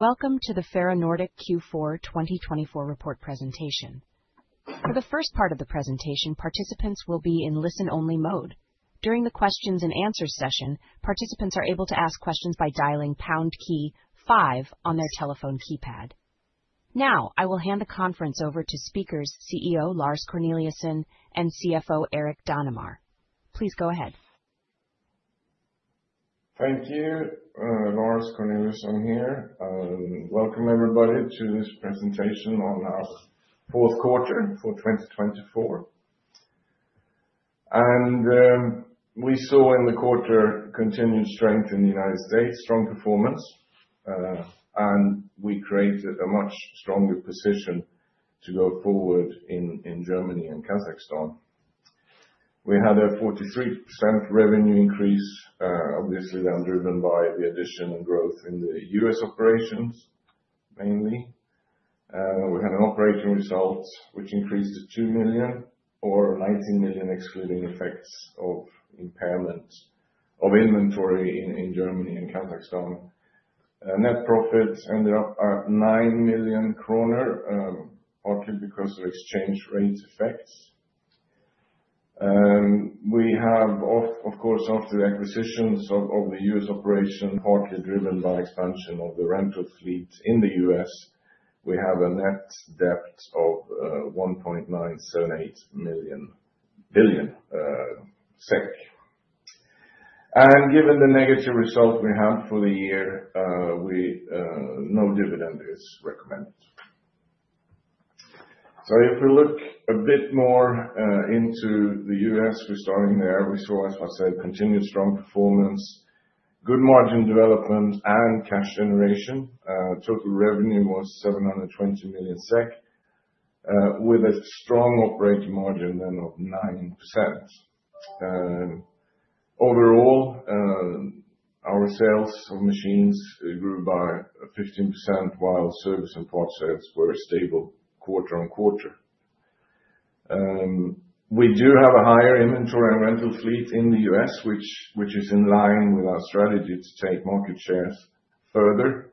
Welcome to the Ferronordic Q4 2024 report presentation. For the first part of the presentation, participants will be in listen-only mode. During the Q&A session, participants are able to ask questions by dialing #5 on their telephone keypad. Now, I will hand the conference over to Speakers CEO Lars Corneliusson and CFO Erik Danemar. Please go ahead. Thank you, Lars Corneliusson here. Welcome everybody to this presentation on our fourth quarter for 2024. We saw in the quarter continued strength in the United States, strong performance, and we created a much stronger position to go forward in Germany and Kazakhstan. We had a 43% revenue increase, obviously then driven by the addition and growth in the U S. operations, mainly. We had an operating result which increased to 2 million, or 19 million excluding effects of impairment of inventory in Germany and Kazakhstan. Net profits ended up at 9 million kronor, partly because of exchange rate effects. We have, of course, after the acquisitions of the U.S. operations, partly driven by expansion of the rental fleet in the U.S., we have a net debt of 1.978 billion SEK. Given the negative result we had for the year, no dividend is recommended. If we look a bit more into the U.S., we're starting there, we saw, as I said, continued strong performance, good margin development, and cash generation. Total revenue was 720 million SEK, with a strong operating margin then of 9%. Overall, our sales of machines grew by 15%, while service and parts sales were stable quarter on quarter. We do have a higher inventory and rental fleet in the U.S., which is in line with our strategy to take market shares further.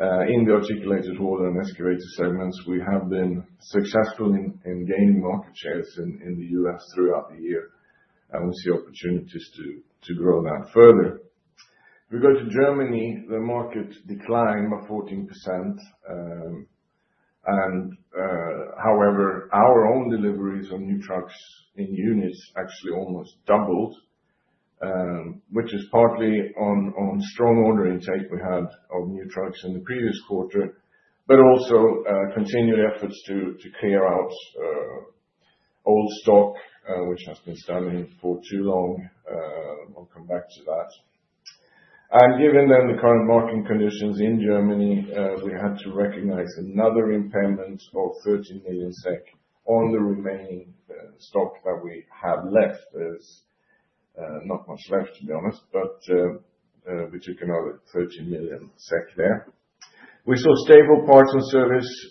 In the articulated hauler and excavator segments, we have been successful in gaining market shares in the U.S. throughout the year, and we see opportunities to grow that further. If we go to Germany, the market declined by 14%. However, our own deliveries on new trucks in units actually almost doubled, which is partly on strong order intake we had of new trucks in the previous quarter, but also continued efforts to clear out old stock, which has been standing for too long. I will come back to that. Given the current market conditions in Germany, we had to recognize another impairment of 13 million SEK on the remaining stock that we had left. There is not much left, to be honest, but we took another 13 million SEK there. We saw stable parts and service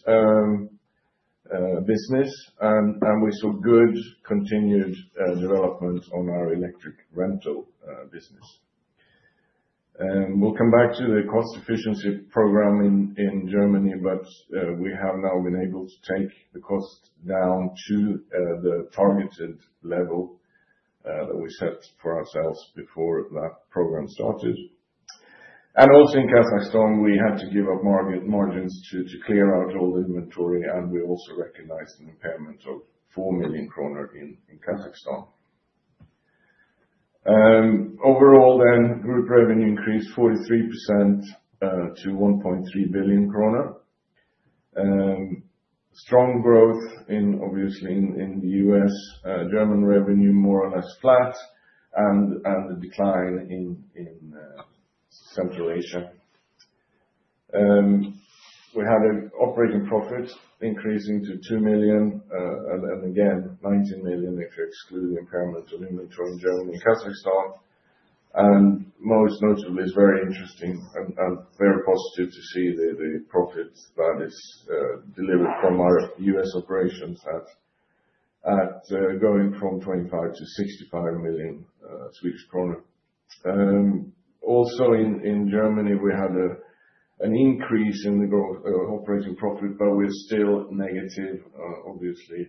business, and we saw good continued development on our electric rental business. I will come back to the cost efficiency program in Germany, but we have now been able to take the cost down to the targeted level that we set for ourselves before that program started. Also in Kazakhstan, we had to give up margins to clear out all the inventory, and we also recognized an impairment of 4 million kronor in Kazakhstan. Overall, group revenue increased 43% to 1.3 billion krona. Strong growth, obviously, in the U.S., German revenue more or less flat, and the decline in Central Asia. We had an operating profit increasing to 2 million, and again, 19 million if you exclude the impairment of inventory in Germany and Kazakhstan. Most notably, it is very interesting and very positive to see the profit that is delivered from our U.S. operations going from 25 million to 65 million Swedish kronor. Also in Germany, we had an increase in the operating profit, but we are still negative, obviously,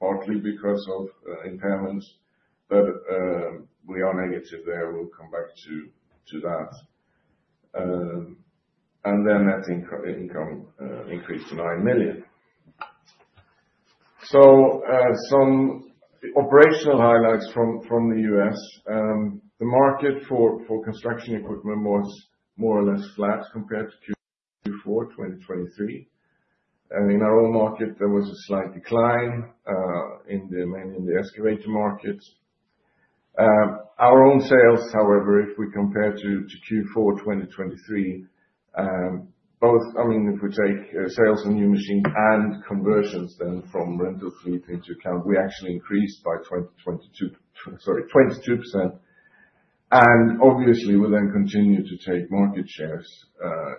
partly because of impairments, but we are negative there. We will come back to that. Net income increased to 9 million. Some operational highlights from the U.S. The market for construction equipment was more or less flat compared to Q4 2023. In our own market, there was a slight decline mainly in the excavator market. Our own sales, however, if we compare to Q4 2023, both, I mean, if we take sales of new machines and conversions then from rental fleet into account, we actually increased by 22%. Obviously, we then continue to take market shares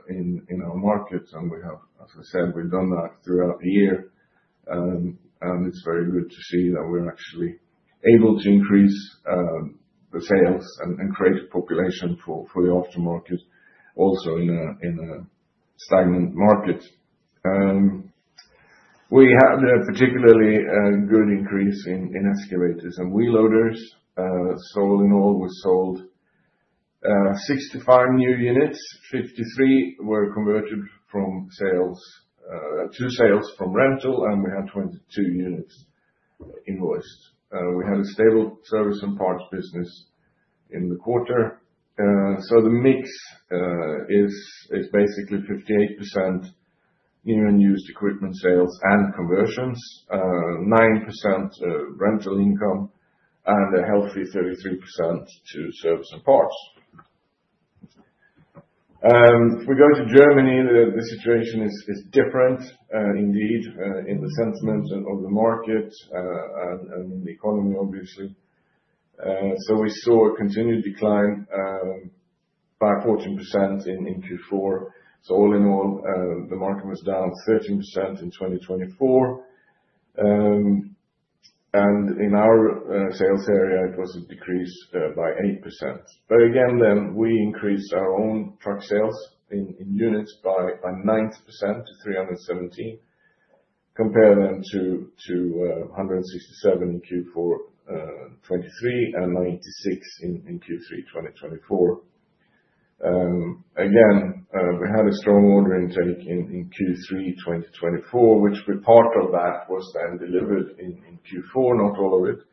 in our market, and we have, as I said, we've done that throughout the year. It is very good to see that we're actually able to increase the sales and create a population for the aftermarket, also in a stagnant market. We had a particularly good increase in excavators and wheel loaders. Sold in all, we sold 65 new units, 53 were converted from sales to sales from rental, and we had 22 units invoiced. We had a stable service and parts business in the quarter. The mix is basically 58% new and used equipment sales and conversions, 9% rental income, and a healthy 33% to service and parts. If we go to Germany, the situation is different indeed in the sentiment of the market and in the economy, obviously. We saw a continued decline by 14% in Q4. All in all, the market was down 13% in 2024. In our sales area, it was a decrease by 8%. Again, we increased our own truck sales in units by 90% to 317, compared then to 167 in Q4 2023 and 96 in Q3 2024. Again, we had a strong order intake in Q3 2024, which part of that was then delivered in Q4, not all of it.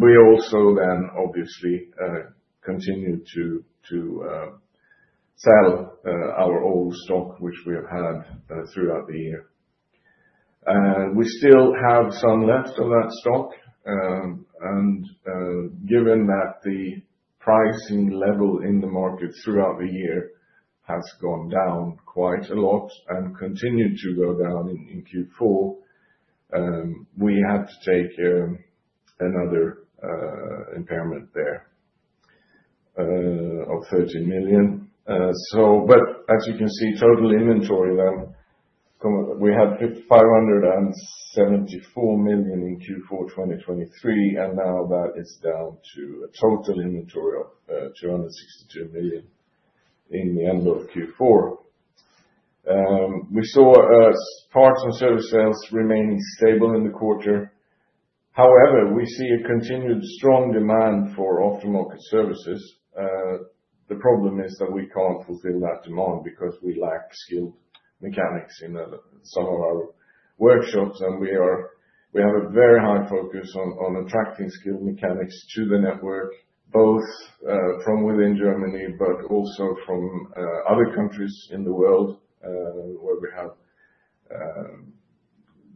We also then, obviously, continue to sell our old stock, which we have had throughout the year. We still have some left of that stock. Given that the pricing level in the market throughout the year has gone down quite a lot and continued to go down in Q4, we had to take another impairment there of 13 million. As you can see, total inventory then, we had 574 million in Q4 2023, and now that is down to a total inventory of 262 million in the end of Q4. We saw parts and service sales remaining stable in the quarter. However, we see a continued strong demand for aftermarket services. The problem is that we can't fulfill that demand because we lack skilled mechanics in some of our workshops, and we have a very high focus on attracting skilled mechanics to the network, both from within Germany, but also from other countries in the world where we have.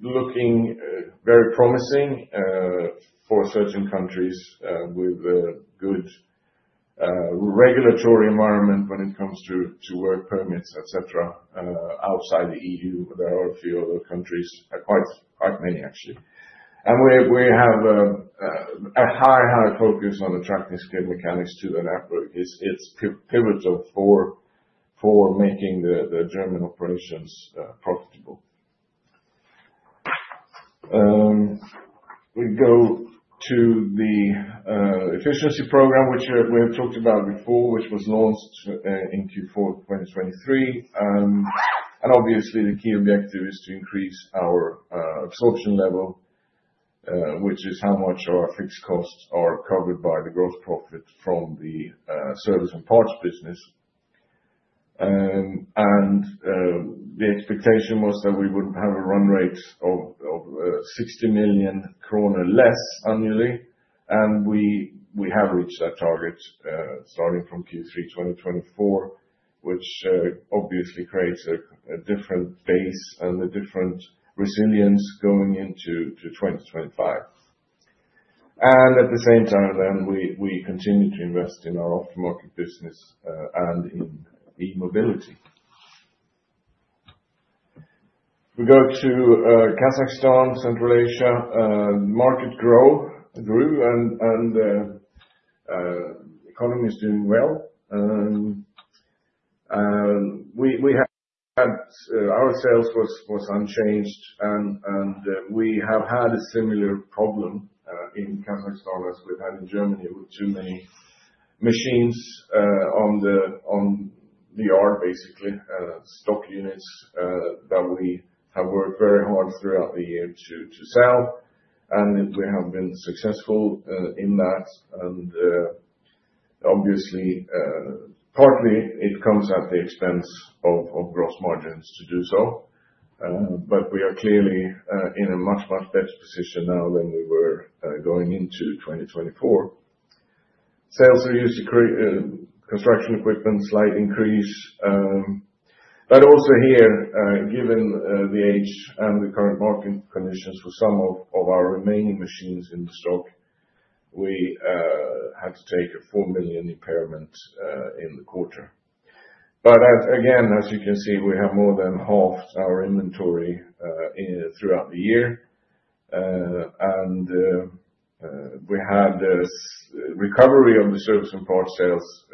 Looking very promising for certain countries with a good regulatory environment when it comes to work permits, etc., outside the EU. There are a few other countries, quite many actually. We have a high, high focus on attracting skilled mechanics to the network. It's pivotal for making the German operations profitable. We go to the efficiency program, which we have talked about before, which was launched in Q4 2023. Obviously, the key objective is to increase our absorption level, which is how much our fixed costs are covered by the gross profit from the service and parts business. The expectation was that we would have a run rate of 60 million kronor less annually. We have reached that target starting from Q3 2024, which obviously creates a different base and a different resilience going into 2025. At the same time, we continue to invest in our aftermarket business and in e-mobility. If we go to Kazakhstan, Central Asia, the market grew, and the economy is doing well. Our sales was unchanged, and we have had a similar problem in Kazakhstan as we have had in Germany with too many machines on the yard, basically stock units that we have worked very hard throughout the year to sell. We have been successful in that. Obviously, partly it comes at the expense of gross margins to do so. We are clearly in a much, much better position now than we were going into 2024. Sales are used to construction equipment, slight increase. Also here, given the age and the current market conditions for some of our remaining machines in the stock, we had to take a 4 million impairment in the quarter. Again, as you can see, we have more than halved our inventory throughout the year. We had a recovery of the service and parts sales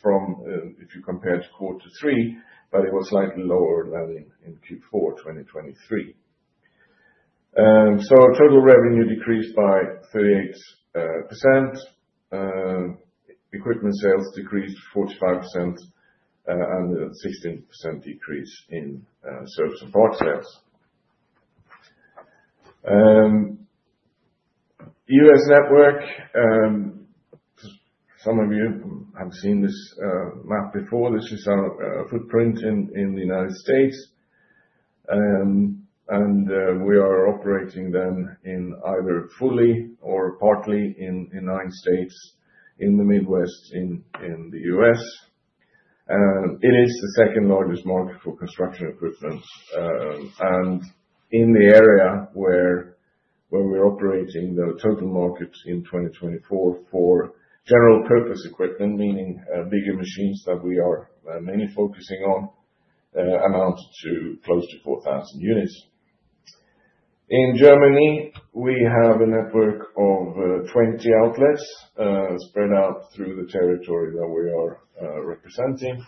from, if you compare to quarter three, but it was slightly lower than in Q4 2023. Total revenue decreased by 38%. Equipment sales decreased 45% and a 16% decrease in service and parts sales. U.S. network, some of you have seen this map before. This is our footprint in the United States. We are operating then in either fully or partly in nine states in the Midwest in the U.S. It is the second largest market for construction equipment. In the area where we're operating, the total market in 2024 for general purpose equipment, meaning bigger machines that we are mainly focusing on, amounts to close to 4,000 units. In Germany, we have a network of 20 outlets spread out through the territory that we are representing.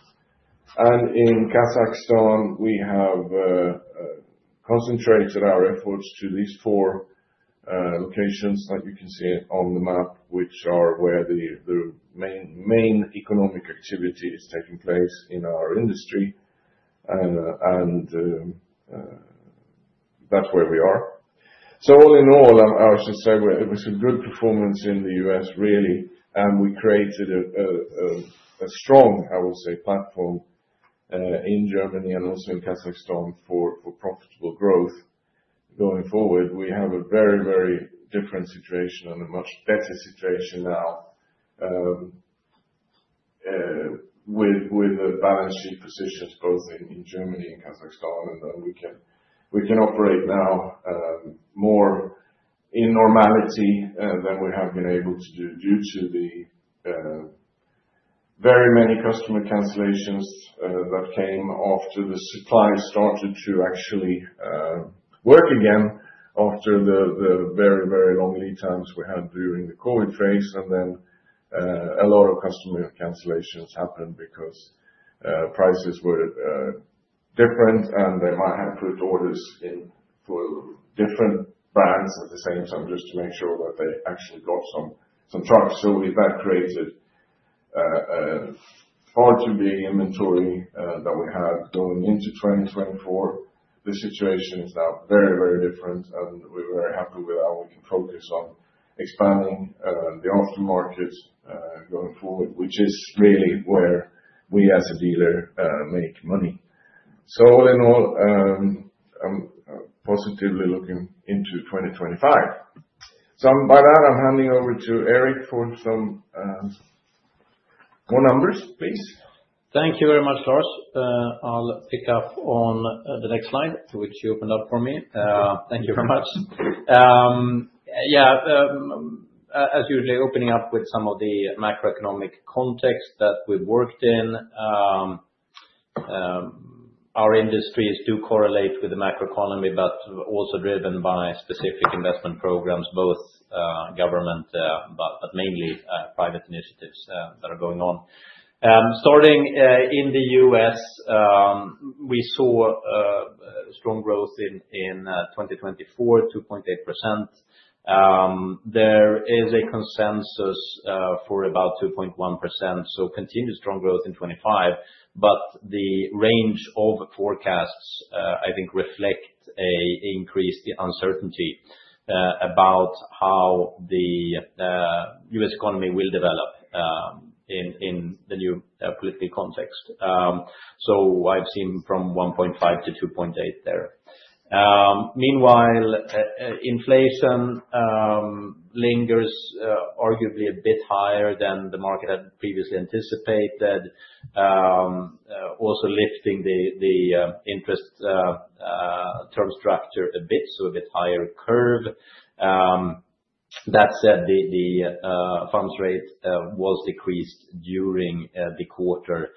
In Kazakhstan, we have concentrated our efforts to these four locations that you can see on the map, which are where the main economic activity is taking place in our industry. That is where we are. All in all, I should say it was a good performance in the U.S., really. We created a strong, I would say, platform in Germany and also in Kazakhstan for profitable growth going forward. We have a very, very different situation and a much better situation now with the balance sheet positions both in Germany and Kazakhstan. We can operate now more in normality than we have been able to do due to the very many customer cancellations that came after the supply started to actually work again after the very, very long lead times we had during the COVID phase. A lot of customer cancellations happened because prices were different, and they might have put orders in for different brands at the same time just to make sure that they actually got some trucks. That created far too big inventory that we had going into 2024. The situation is now very, very different, and we are very happy with how we can focus on expanding the aftermarket going forward, which is really where we as a dealer make money. All in all, I am positively looking into 2025. By that, I am handing over to Erik for some more numbers, please. Thank you very much, Lars. I'll pick up on the next slide to which you opened up for me. Thank you very much. Yeah, as usually, opening up with some of the macroeconomic context that we've worked in. Our industries do correlate with the macroeconomy, but also driven by specific investment programs, both government, but mainly private initiatives that are going on. Starting in the US, we saw strong growth in 2024, 2.8%. There is a consensus for about 2.1%, so continued strong growth in 2025. The range of forecasts, I think, reflect an increased uncertainty about how the U.S. economy will develop in the new political context. I've seen from 1.5% to 2.8% there. Meanwhile, inflation lingers arguably a bit higher than the market had previously anticipated, also lifting the interest term structure a bit, so a bit higher curve. That said, the funds rate was decreased during the quarter.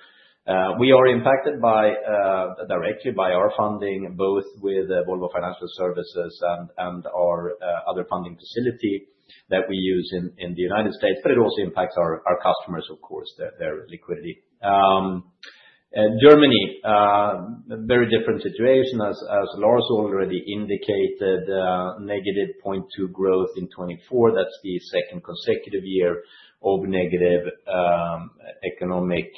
We are impacted directly by our funding, both with Volvo Financial Services and our other funding facility that we use in the United States, but it also impacts our customers, of course, their liquidity. Germany, very different situation, as Lars already indicated, negative 0.2% growth in 2024. That's the second consecutive year of negative economic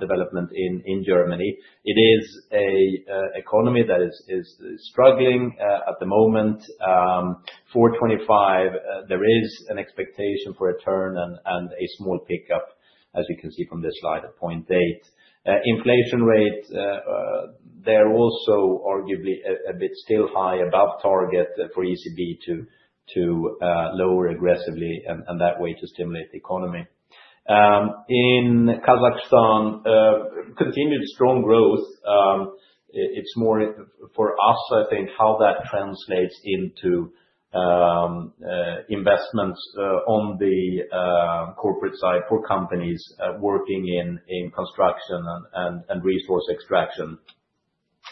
development in Germany. It is an economy that is struggling at the moment. For 2025, there is an expectation for a turn and a small pickup, as you can see from this slide, at 0.8%. Inflation rate, they're also arguably a bit still high above target for ECB to lower aggressively and that way to stimulate the economy. In Kazakhstan, continued strong growth. It's more for us, I think, how that translates into investments on the corporate side for companies working in construction and resource extraction.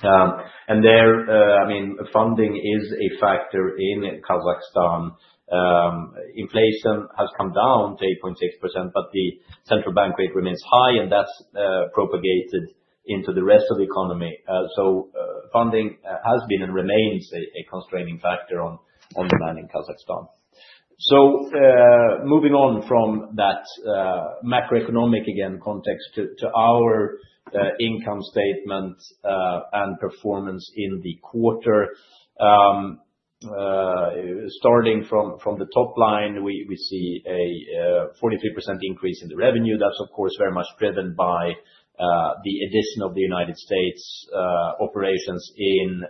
I mean, funding is a factor in Kazakhstan. Inflation has come down to 8.6%, but the central bank rate remains high, and that's propagated into the rest of the economy. Funding has been and remains a constraining factor on demand in Kazakhstan. Moving on from that macroeconomic, again, context to our income statement and performance in the quarter. Starting from the top line, we see a 43% increase in the revenue. That's, of course, very much driven by the addition of the United States operations in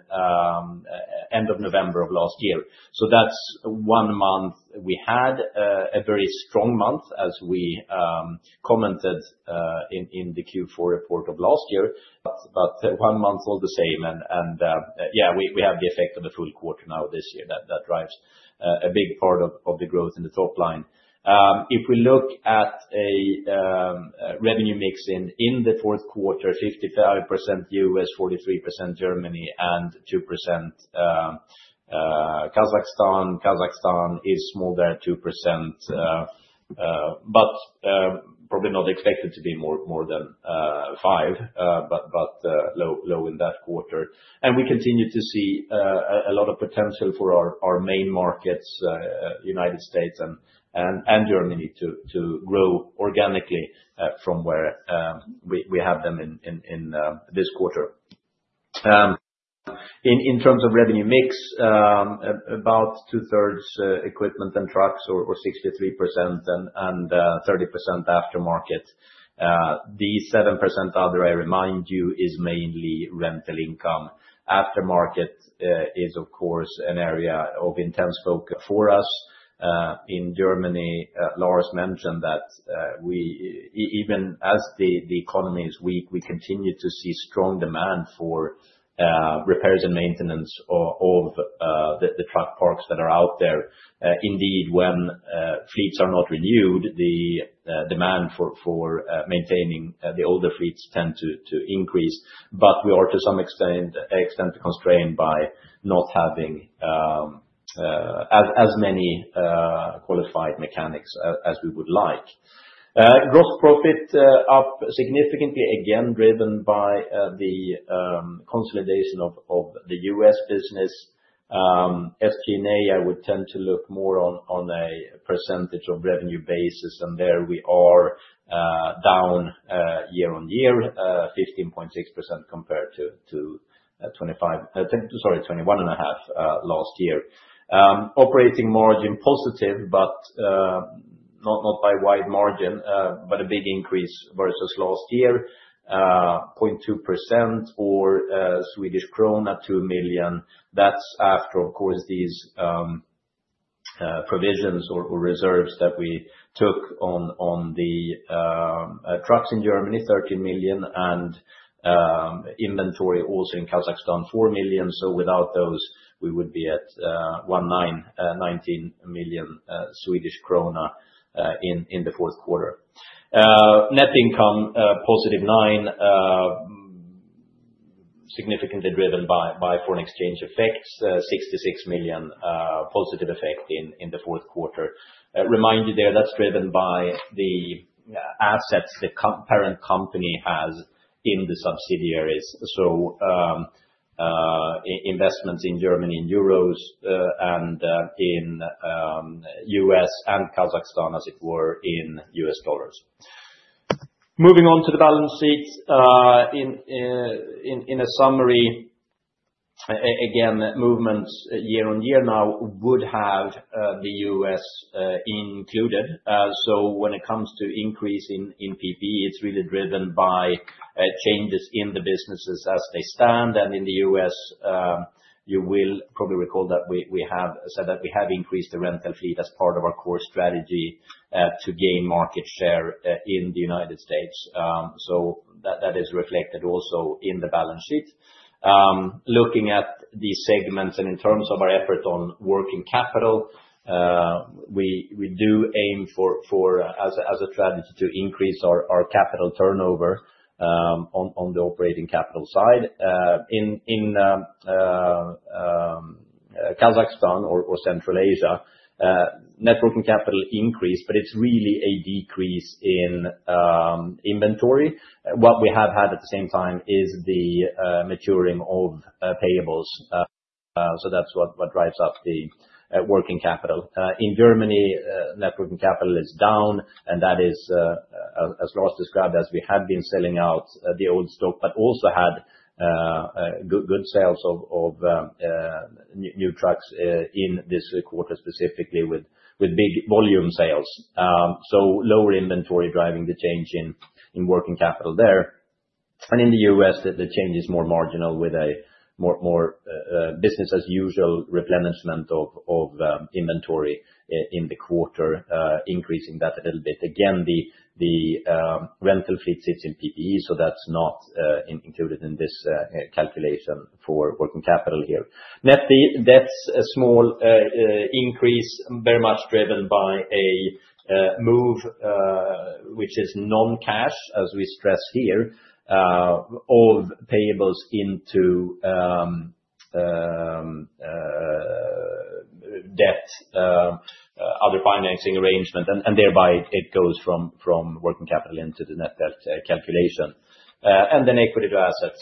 end of November of last year. That's one month we had a very strong month, as we commented in the Q4 report of last year. One month all the same. Yeah, we have the effect of the full quarter now this year that drives a big part of the growth in the top line. If we look at a revenue mix in the fourth quarter, 55% U.S., 43% Germany, and 2% Kazakhstan. Kazakhstan is small there, 2%, but probably not expected to be more than 5, but low in that quarter. We continue to see a lot of potential for our main markets, United States and Germany, to grow organically from where we have them in this quarter. In terms of revenue mix, about two-thirds equipment and trucks or 63% and 30% aftermarket. The 7% other, I remind you, is mainly rental income. Aftermarket is, of course, an area of intense focus for us. In Germany, Lars mentioned that even as the economy is weak, we continue to see strong demand for repairs and maintenance of the truck parks that are out there. Indeed, when fleets are not renewed, the demand for maintaining the older fleets tends to increase. We are, to some extent, constrained by not having as many qualified mechanics as we would like. Gross profit up significantly, again, driven by the consolidation of the U.S. business. SG&A, I would tend to look more on a percentage of revenue basis. There we are down year-on-year, 15.6% compared to 21.5% last year. Operating margin positive, but not by wide margin, but a big increase versus last year, 0.2% or Swedish krona 2 million. That's after, of course, these provisions or reserves that we took on the trucks in Germany, 13 million, and inventory also in Kazakhstan, 4 million. Without those, we would be at 19 million Swedish krona in the fourth quarter. Net income, positive 9 million, significantly driven by foreign exchange effects, 66 million positive effect in the fourth quarter. Remind you there, that's driven by the assets the parent company has in the subsidiaries. Investments in Germany in euros and in U.S. and Kazakhstan, as it were, in U.S. dollars. Moving on to the balance sheet in a summary, again, movements year-on-year now would have the U.S. included. When it comes to increase in PPE, it's really driven by changes in the businesses as they stand. In the U.S., you will probably recall that we have said that we have increased the rental fleet as part of our core strategy to gain market share in the United States. That is reflected also in the balance sheet. Looking at these segments and in terms of our effort on working capital, we do aim for, as a strategy, to increase our capital turnover on the operating capital side. In Kazakhstan or Central Asia, working capital increased, but it is really a decrease in inventory. What we have had at the same time is the maturing of payables. That is what drives up the working capital. In Germany, working capital is down, and that is, as Lars described, as we had been selling out the old stock, but also had good sales of new trucks in this quarter, specifically with big volume sales. Lower inventory driving the change in working capital there. In the U.S., the change is more marginal with a more business-as-usual replenishment of inventory in the quarter, increasing that a little bit. Again, the rental fleet sits in PPE, so that's not included in this calculation for working capital here. Net debt's a small increase, very much driven by a move, which is non-cash, as we stress here, of payables into debt, other financing arrangement, and thereby it goes from working capital into the net debt calculation. Equity to assets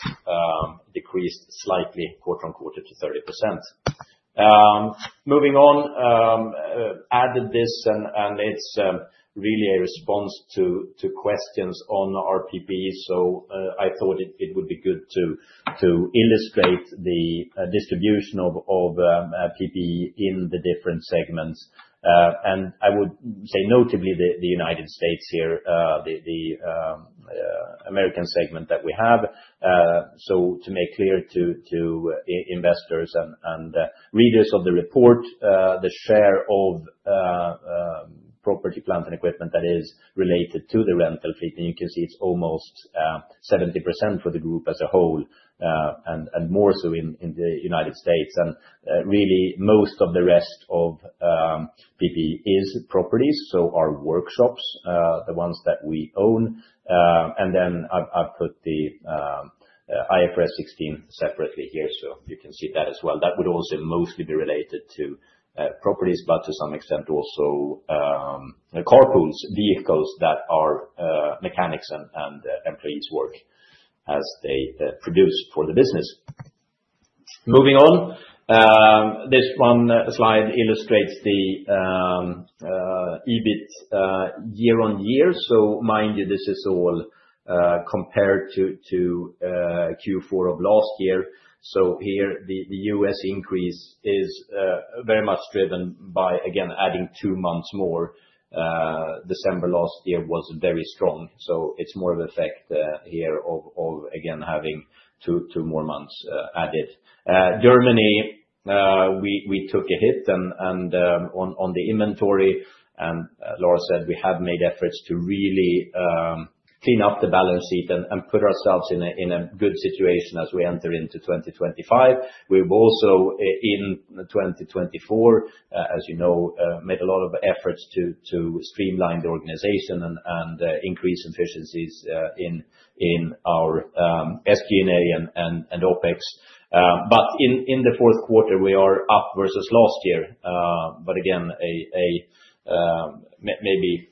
decreased slightly, quarter on quarter, to 30%. Moving on, added this, and it's really a response to questions on our PPE. I thought it would be good to illustrate the distribution of PPE in the different segments. I would say notably the United States here, the American segment that we have. To make clear to investors and readers of the report, the share of property, plant, and equipment that is related to the rental fleet, you can see it's almost 70% for the group as a whole and more so in the United States. Really, most of the rest of PPE is properties, so our workshops, the ones that we own. I have put the IFRS 16 separately here, so you can see that as well. That would also mostly be related to properties, but to some extent also carpools, vehicles that our mechanics and employees work as they produce for the business. Moving on, this one slide illustrates the EBIT year-on-year. Mind you, this is all compared to Q4 of last year. Here, the U.S. increase is very much driven by, again, adding two months more. December last year was very strong. It is more of an effect here of, again, having two more months added. Germany, we took a hit on the inventory. As Lars said, we have made efforts to really clean up the balance sheet and put ourselves in a good situation as we enter into 2025. We have also in 2024, as you know, made a lot of efforts to streamline the organization and increase efficiencies in our SG&A and OpEx. In the fourth quarter, we are up versus last year. Again, maybe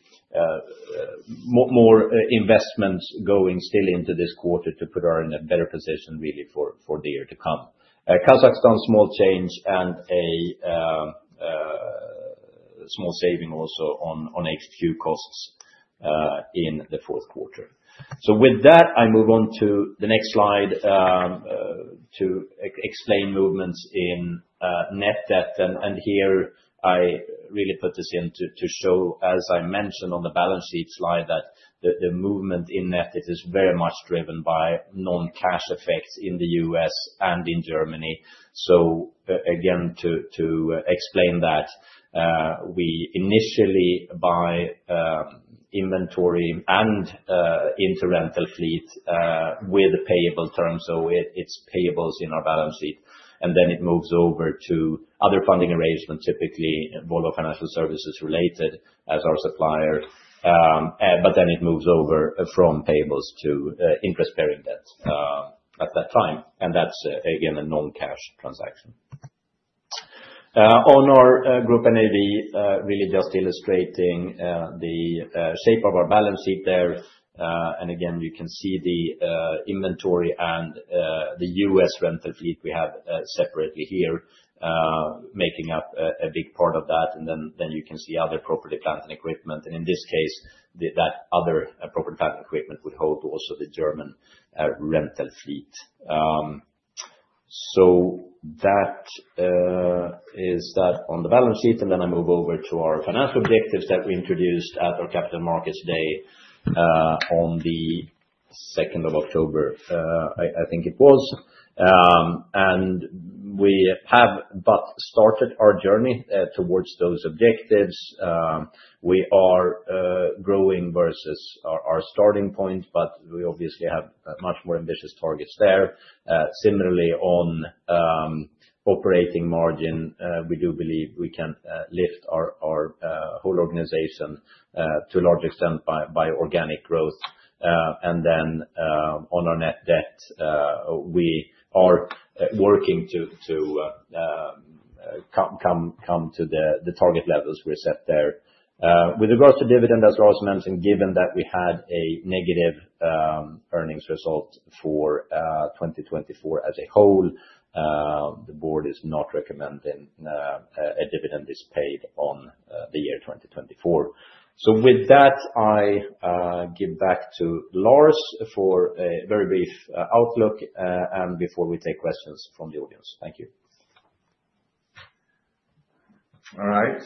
more investments going still into this quarter to put us in a better position really for the year to come. Kazakhstan, small change and a small saving also on HQ costs in the fourth quarter. With that, I move on to the next slide to explain movements in net debt. I really put this in to show, as I mentioned on the balance sheet slide, that the movement in net debt is very much driven by non-cash effects in the U.S. and in Germany. To explain that, we initially buy inventory and into rental fleet with a payable term. It is payables in our balance sheet. It moves over to other funding arrangements, typically Volvo Financial Services related as our supplier. It moves over from payables to interest-bearing debt at that time. That is, again, a non-cash transaction. On our group NAV, just illustrating the shape of our balance sheet there. You can see the inventory and the U.S. rental fleet we have separately here making up a big part of that. You can see other property, plant, and equipment. In this case, that other property, plant, and equipment would hold also the German rental fleet. That is that on the balance sheet. I move over to our financial objectives that we introduced at our capital markets day on the 2nd of October, I think it was. We have but started our journey towards those objectives. We are growing versus our starting point, but we obviously have much more ambitious targets there. Similarly, on operating margin, we do believe we can lift our whole organization to a large extent by organic growth. On our net debt, we are working to come to the target levels we set there. With regards to dividend, as Lars mentioned, given that we had a negative earnings result for 2024 as a whole, the board is not recommending a dividend dispatch on the year 2024. With that, I give back to Lars for a very brief outlook before we take questions from the audience. Thank you. All right.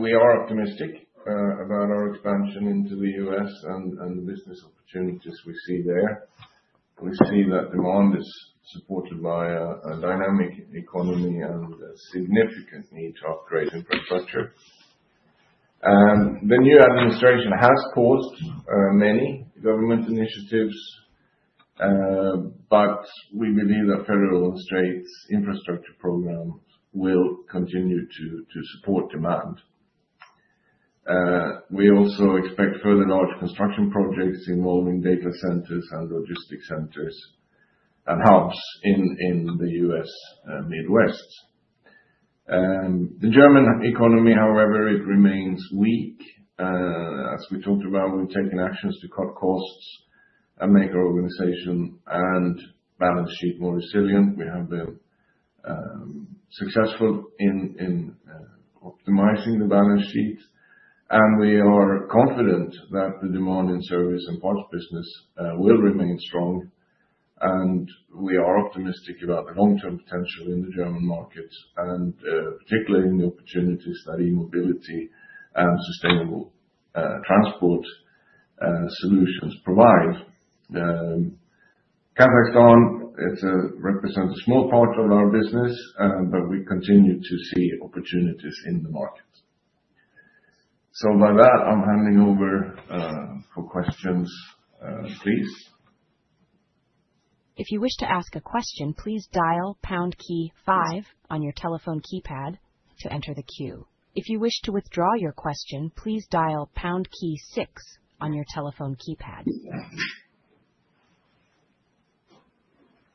We are optimistic about our expansion into the U.S. and the business opportunities we see there. We see that demand is supported by a dynamic economy and significant need to upgrade infrastructure. The new administration has paused many government initiatives, but we believe that federal and states' infrastructure programs will continue to support demand. We also expect further large construction projects involving data centers and logistics centers and hubs in the U.S. Midwest. The German economy, however, remains weak. As we talked about, we've taken actions to cut costs and make our organization and balance sheet more resilient. We have been successful in optimizing the balance sheet. We are confident that the demand in service and parts business will remain strong. We are optimistic about the long-term potential in the German markets and particularly in the opportunities that e-mobility and sustainable transport solutions provide. Kazakhstan represents a small part of our business, but we continue to see opportunities in the markets. By that, I am handing over for questions, please. If you wish to ask a question, please dial pound key 5 on your telephone keypad to enter the queue. If you wish to withdraw your question, please dial pound key 6 on your telephone keypad.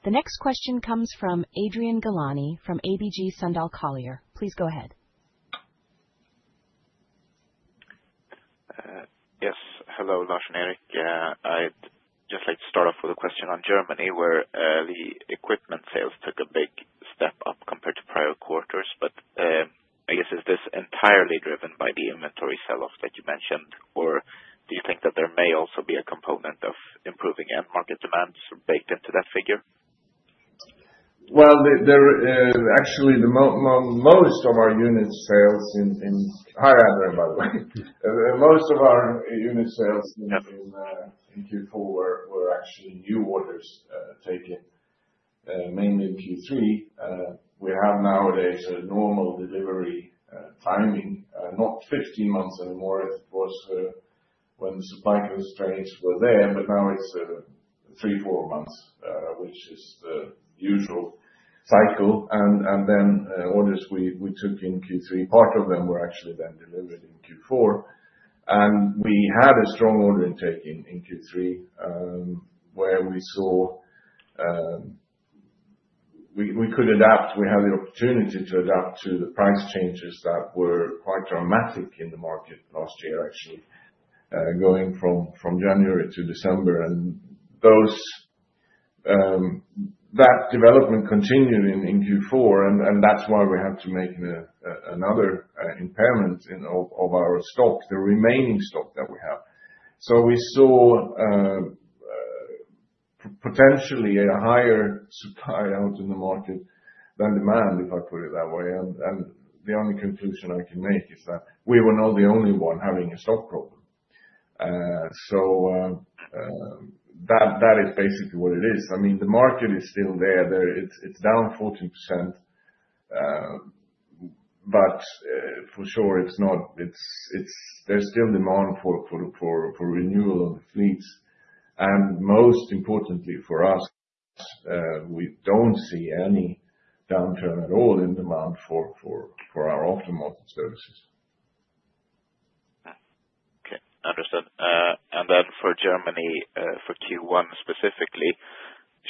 The next question comes from Adrian Galani from ABG Sundal Collier. Please go ahead. Yes. Hello, Lars and Erik. I would just like to start off with a question on Germany, where the equipment sales took a big step up compared to prior quarters. I guess, is this entirely driven by the inventory selloff that you mentioned, or do you think that there may also be a component of improving end market demands baked into that figure? Actually, most of our unit sales in higher admin, by the way. Most of our unit sales in Q4 were actually new orders taken, mainly in Q3. We have nowadays a normal delivery timing, not 15 months anymore, of course, when the supply constraints were there, but now it's three, four months, which is the usual cycle. Orders we took in Q3, part of them were actually then delivered in Q4. We had a strong order intake in Q3, where we saw we could adapt. We had the opportunity to adapt to the price changes that were quite dramatic in the market last year, actually, going from January to December. That development continued in Q4, and that is why we had to make another impairment of our stock, the remaining stock that we have. We saw potentially a higher supply out in the market than demand, if I put it that way. The only conclusion I can make is that we were not the only one having a stock problem. That is basically what it is. I mean, the market is still there. It is down 14%, but for sure, there is still demand for renewal of the fleets. Most importantly for us, we do not see any downturn at all in demand for our aftermarket services. Okay. Understood. For Germany, for Q1 specifically,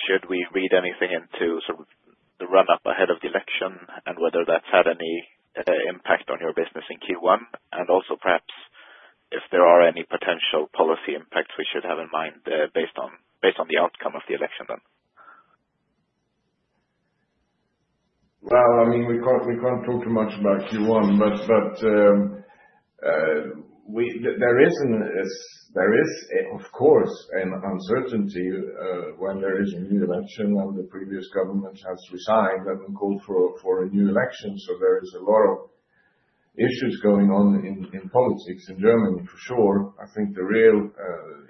should we read anything into sort of the run-up ahead of the election and whether that has had any impact on your business in Q1? Also, perhaps if there are any potential policy impacts we should have in mind based on the outcome of the election then? I mean, we can't talk too much about Q1, but there is, of course, an uncertainty when there is a new election and the previous government has resigned and called for a new election. There are a lot of issues going on in politics in Germany, for sure. I think the real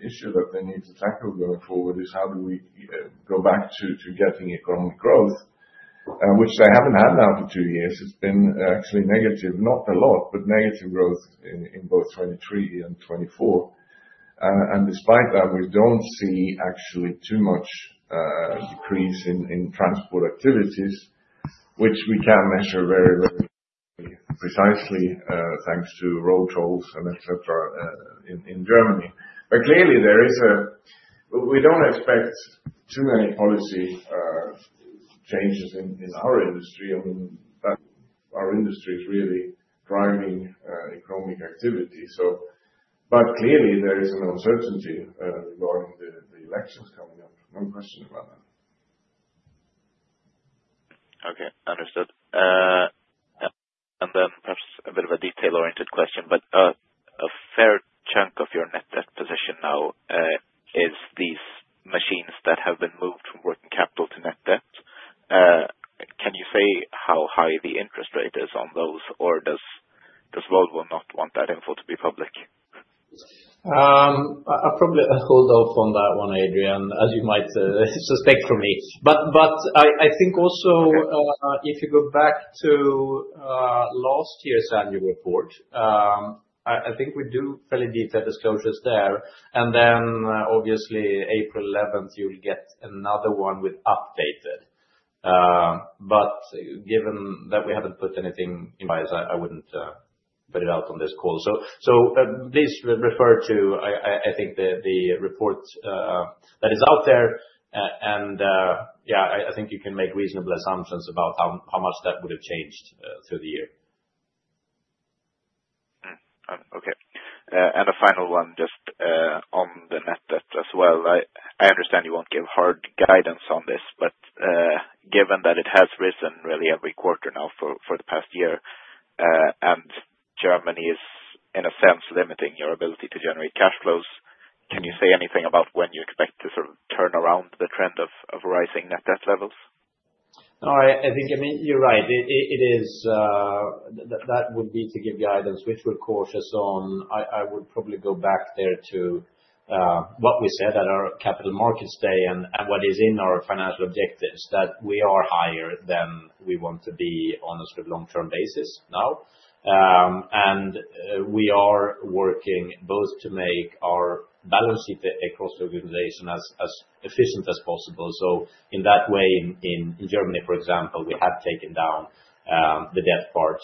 issue that they need to tackle going forward is how do we go back to getting economic growth, which they haven't had now for two years. It's been actually negative, not a lot, but negative growth in both 2023 and 2024. Despite that, we don't see actually too much decrease in transport activities, which we can measure very precisely thanks to road tolls and etc. in Germany. Clearly, we do not expect too many policy changes in our industry. I mean, our industry is really driving economic activity. Clearly, there is an uncertainty regarding the elections coming up. No question about that. Okay. Understood. Perhaps a bit of a detail-oriented question, but a fair chunk of your net debt position now is these machines that have been moved from working capital to net debt. Can you say how high the interest rate is on those, or does Volvo not want that info to be public? I'll probably hold off on that one, Adrian, as you might suspect from me. I think also if you go back to last year's annual report, we do fairly detailed disclosures there. Obviously, April 11th, you'll get another one with updated. Given that we haven't put anything in place, I wouldn't put it out on this call. Please refer to, I think, the report that is out there. Yeah, I think you can make reasonable assumptions about how much that would have changed through the year. Okay. A final one just on the net debt as well. I understand you won't give hard guidance on this, but given that it has risen really every quarter now for the past year and Germany is, in a sense, limiting your ability to generate cash flows, can you say anything about when you expect to sort of turn around the trend of rising net debt levels? No, I think, I mean, you're right. That would be to give guidance, which would cause us on I would probably go back there to what we said at our capital markets day and what is in our financial objectives, that we are higher than we want to be on a sort of long-term basis now. We are working both to make our balance sheet across the organization as efficient as possible. In that way, in Germany, for example, we have taken down the debt part.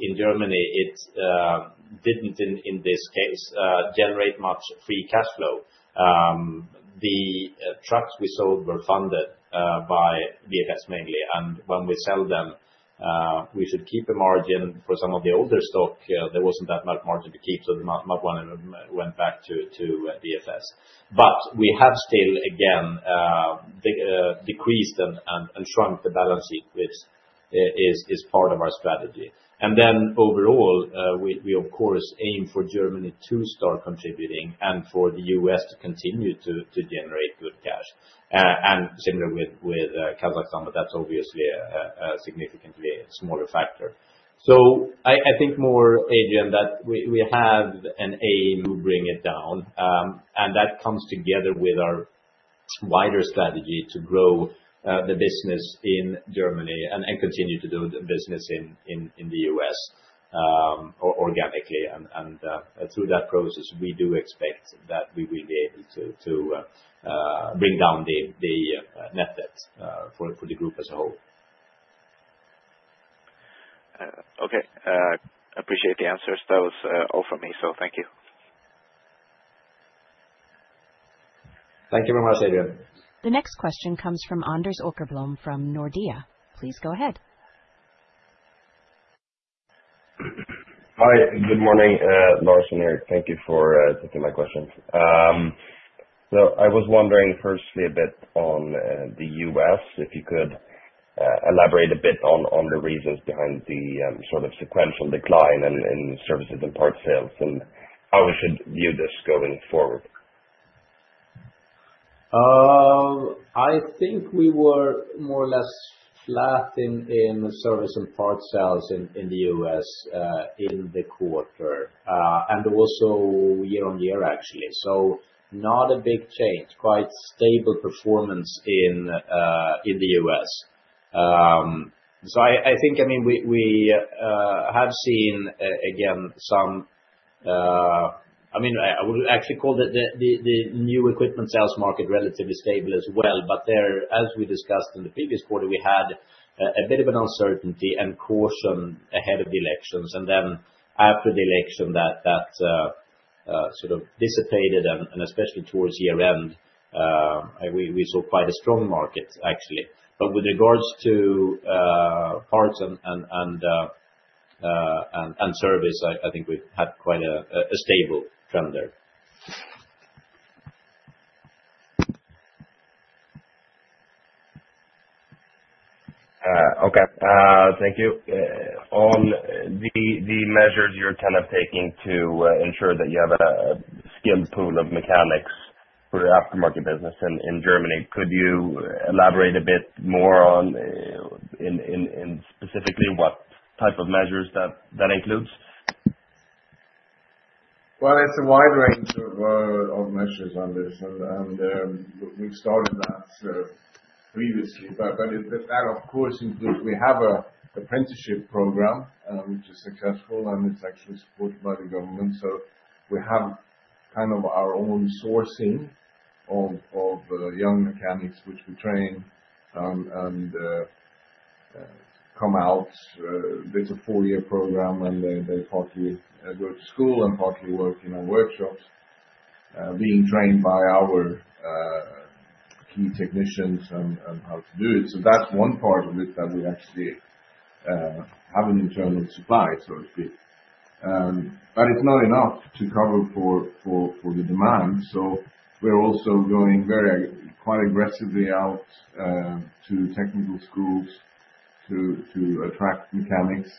In Germany, it did not, in this case, generate much free cash flow. The trucks we sold were funded by BFS mainly. When we sell them, we should keep a margin. For some of the older stock, there was not that much margin to keep, so not one went back to BFS. We have still, again, decreased and shrunk the balance sheet, which is part of our strategy. Overall, we, of course, aim for Germany to start contributing and for the U.S. to continue to generate good cash. Similar with Kazakhstan, but that is obviously a significantly smaller factor. I think more, Adrian, that we have an aim to bring it down. That comes together with our wider strategy to grow the business in Germany and continue to do the business in the U.S. organically. Through that process, we do expect that we will be able to bring down the net debt for the group as a whole. Okay. I appreciate the answers. That was all from me, so thank you. Thank you very much, Adrian. The next question comes from Anders Åkerblom from Nordea. Please go ahead. Hi. Good morning, Lars and Erik. Thank you for taking my questions. I was wondering firstly a bit on the U.S., if you could elaborate a bit on the reasons behind the sort of sequential decline in services and parts sales and how we should view this going forward. I think we were more or less flat in service and parts sales in the US in the quarter and also year-on-year, actually. Not a big change, quite stable performance in the U.S. I think, I mean, we have seen, again, some, I mean, I would actually call the new equipment sales market relatively stable as well. There, as we discussed in the previous quarter, we had a bit of an uncertainty and caution ahead of the elections. After the election, that sort of dissipated, and especially towards year-end, we saw quite a strong market, actually. With regards to parts and service, I think we've had quite a stable trend there. Okay. Thank you. On the measures you're kind of taking to ensure that you have a skilled pool of mechanics for your aftermarket business in Germany, could you elaborate a bit more on specifically what type of measures that includes? It is a wide range of measures, Anders. We have started that previously. That, of course, includes we have an apprenticeship program, which is successful, and it is actually supported by the government. We have kind of our own sourcing of young mechanics, which we train and come out. It is a four-year program, and they partly go to school and partly work in our workshops, being trained by our key technicians on how to do it. That is one part of it, that we actually have an internal supply, so to speak. It is not enough to cover for the demand. We are also going quite aggressively out to technical schools to attract mechanics.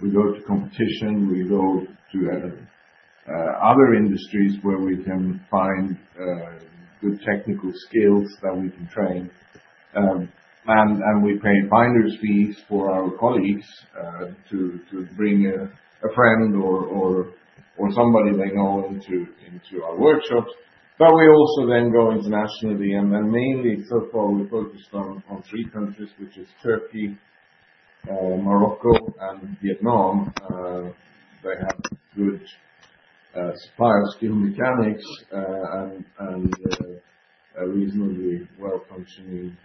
We go to competition. We go to other industries where we can find good technical skills that we can train. We pay finder's fees for our colleagues to bring a friend or somebody they know into our workshops. We also go internationally. Mainly, so far, we have focused on three countries, which are Turkey, Morocco, and Vietnam. They have a good supply of skilled mechanics and a reasonably well-functioning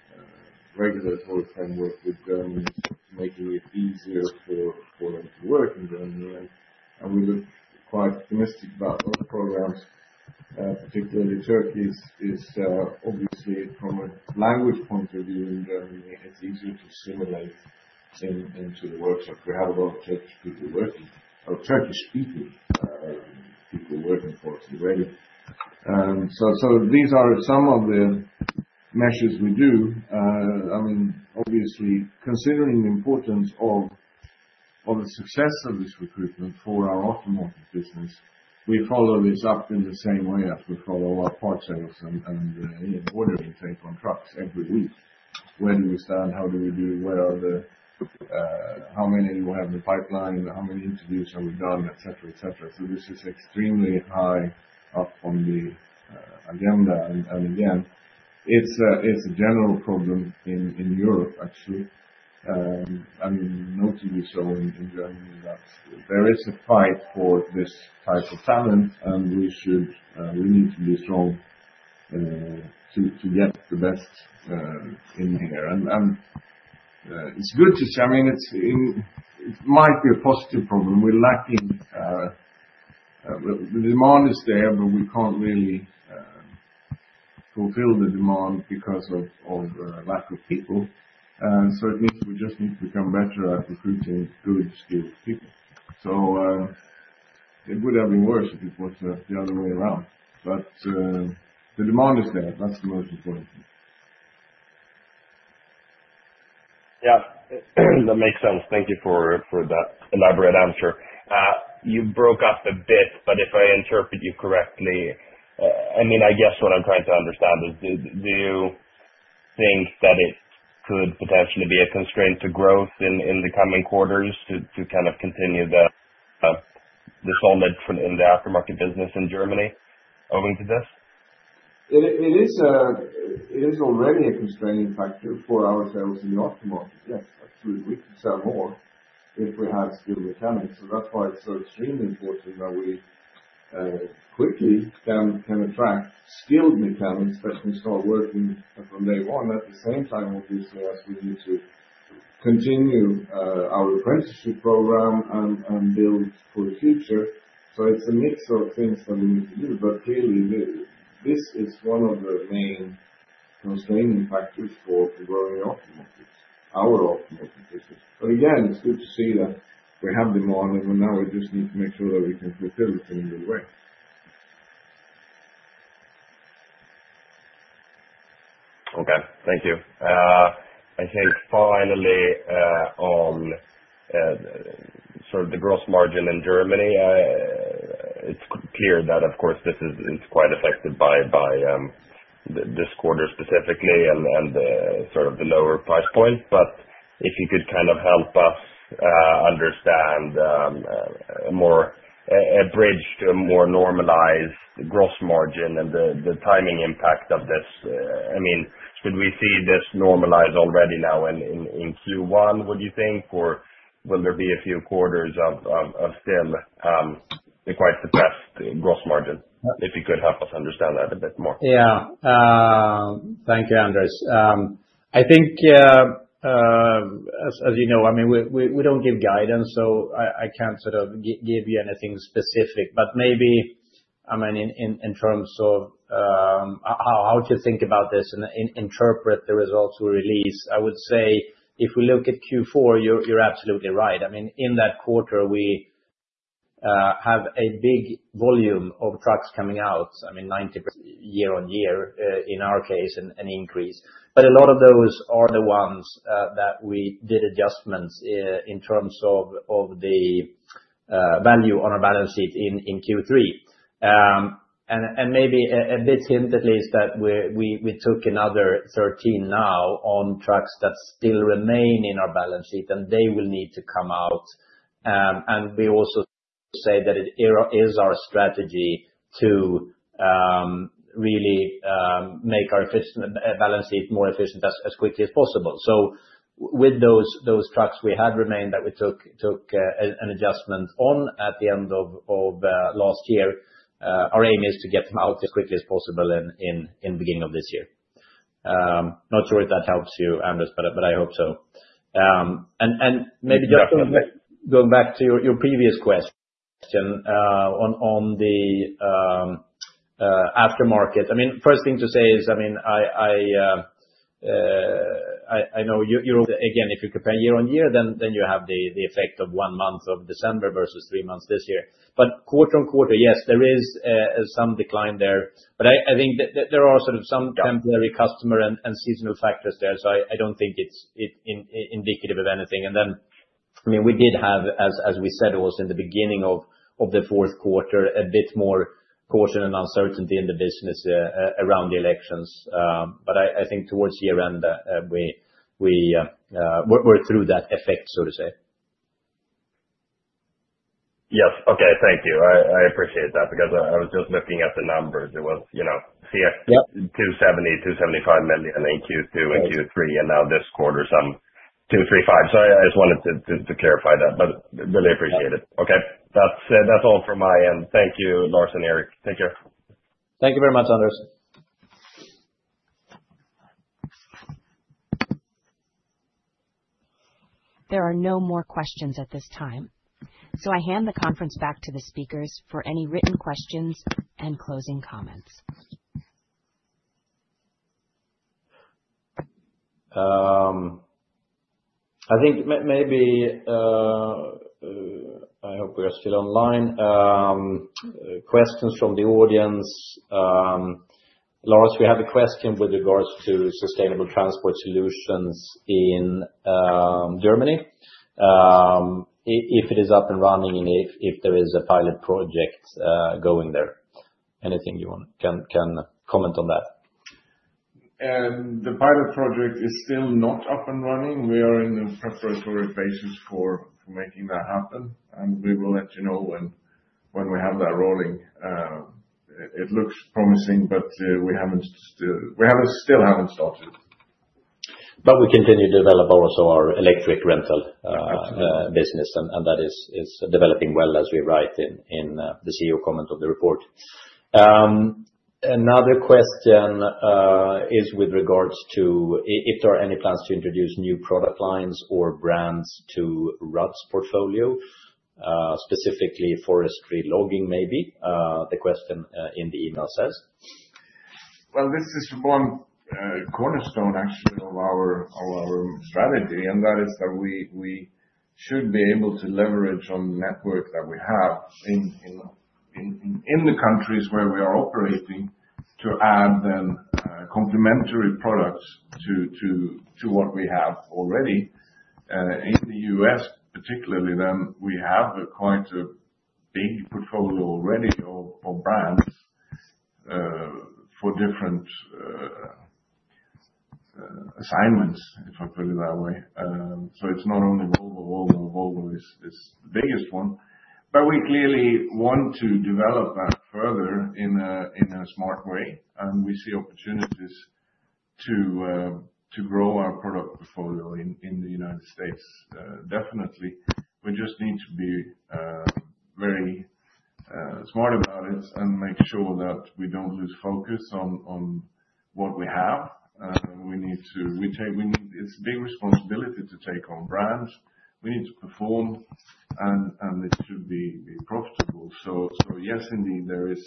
regulatory framework with Germany, making it easier for them to work in Germany. We look quite optimistic about those programs. Particularly, Turkey is obviously, from a language point of view in Germany, easier to assimilate into the workshop. We have a lot of Turkish people working or Turkish-speaking people working for us already. These are some of the measures we do. I mean, obviously, considering the importance of the success of this recruitment for our aftermarket business, we follow this up in the same way as we follow our parts sales and ordering take on trucks every week. Where do we stand? How do we do? How many do we have in the pipeline? How many interviews have we done, etc., etc.? This is extremely high up on the agenda. Again, it's a general problem in Europe, actually, and notably so in Germany. There is a fight for this type of talent, and we need to be strong to get the best in here. It's good to say, I mean, it might be a positive problem. We're lacking, the demand is there, but we can't really fulfill the demand because of lack of people. We just need to become better at recruiting good skilled people. It would have been worse if it was the other way around. The demand is there. That's the most important thing. Yeah. That makes sense. Thank you for that elaborate answer. You broke up a bit, but if I interpret you correctly, I mean, I guess what I'm trying to understand is, do you think that it could potentially be a constraint to growth in the coming quarters to kind of continue the solid in the aftermarket business in Germany owing to this? It is already a constraining factor for our sales in the aftermarket. Yes, absolutely. We can sell more if we have skilled mechanics. That's why it's so extremely important that we quickly can attract skilled mechanics that can start working from day one. At the same time, obviously, as we need to continue our apprenticeship program and build for the future. It is a mix of things that we need to do. Clearly, this is one of the main constraining factors for growing our aftermarket business. Again, it is good to see that we have demand, and now we just need to make sure that we can fulfill it in a good way. Okay. Thank you. I think finally, on sort of the gross margin in Germany, it is clear that, of course, this is quite affected by this quarter specifically and sort of the lower price points. If you could kind of help us understand a bridge to a more normalized gross margin and the timing impact of this, I mean, should we see this normalize already now in Q1, would you think? Or will there be a few quarters of still quite suppressed gross margin? If you could help us understand that a bit more. Yeah. Thank you, Anders. I think, as you know, I mean, we do not give guidance, so I cannot sort of give you anything specific. Maybe, I mean, in terms of how to think about this and interpret the results we release, I would say if we look at Q4, you are absolutely right. I mean, in that quarter, we have a big volume of trucks coming out, I mean, 90. Year-on-year, in our case, an increase. A lot of those are the ones that we did adjustments in terms of the value on our balance sheet in Q3. Maybe a bit hint, at least, that we took another 13 now on trucks that still remain in our balance sheet, and they will need to come out. We also say that it is our strategy to really make our balance sheet more efficient as quickly as possible. With those trucks we had remained that we took an adjustment on at the end of last year, our aim is to get them out as quickly as possible in the beginning of this year. Not sure if that helps you, Anders, but I hope so. Maybe just going back to your previous question on the aftermarket, I mean, first thing to say is, I mean, I know you're. Again, if you compare year-on-year, then you have the effect of one month of December versus three months this year. Quarter on quarter, yes, there is some decline there. I think there are sort of some temporary customer and seasonal factors there. I do not think it is indicative of anything. I mean, we did have, as we said also in the beginning of the fourth quarter, a bit more caution and uncertainty in the business around the elections. I think towards year-end, we were through that effect, so to say. Yes. Okay. Thank you. I appreciate that because I was just looking at the numbers. It was 270 million-275 million in Q2 and Q3, and now this quarter, some 235 million. I just wanted to clarify that, but really appreciate it. Okay. That is all from my end. Thank you, Lars and Erik. Take care. Thank you very much, Anders. There are no more questions at this time. I hand the conference back to the speakers for any written questions and closing comments. I think maybe I hope we are still online. Questions from the audience. Lars, we have a question with regards to sustainable transport solutions in Germany, if it is up and running and if there is a pilot project going there. Anything you can comment on that? The pilot project is still not up and running. We are in the preparatory phases for making that happen. We will let you know when we have that rolling. It looks promising, but we have not still started. We continue to develop also our electric rental business, and that is developing well as we write in the CEO comment of the report. Another question is with regards to if there are any plans to introduce new product lines or brands to RAT's portfolio, specifically forestry logging, maybe. The question in the email says. This is one cornerstone, actually, of our strategy, and that is that we should be able to leverage on the network that we have in the countries where we are operating to add then complementary products to what we have already. In the U.S., particularly, then we have quite a big portfolio already of brands for different assignments, if I put it that way. It is not only Volvo. Volvo is the biggest one. We clearly want to develop that further in a smart way. We see opportunities to grow our product portfolio in the United States, definitely. We just need to be very smart about it and make sure that we do not lose focus on what we have. We need to, it is a big responsibility to take on brands. We need to perform, and it should be profitable. Yes, indeed, there is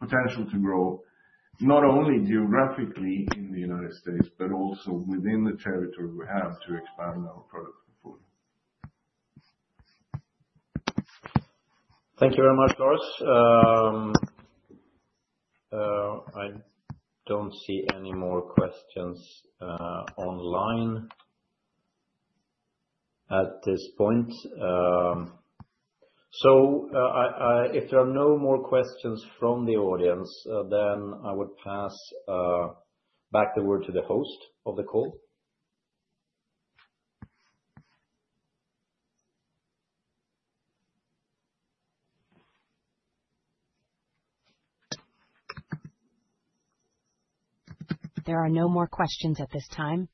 potential to grow not only geographically in the United States, but also within the territory we have to expand our product portfolio. Thank you very much, Lars. I do not see any more questions online at this point. If there are no more questions from the audience, I would pass back the word to the host of the call. There are no more questions at this time.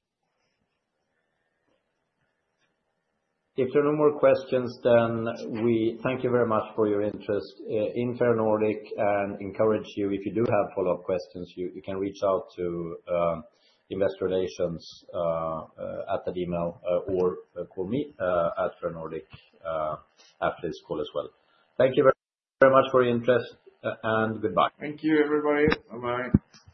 If there are no more questions, then we thank you very much for your interest in Ferronordic and encourage you, if you do have follow-up questions, you can reach out to Investor Relations at that email or call me at Ferronordic after this call as well. Thank you very much for your interest, and goodbye. Thank you, everybody. Bye-bye.